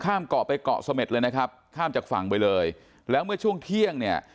เกาะไปเกาะเสม็ดเลยนะครับข้ามจากฝั่งไปเลยแล้วเมื่อช่วงเที่ยงเนี่ย